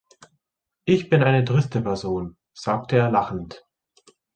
„Ich bin eine triste Person“, sagte er lachend.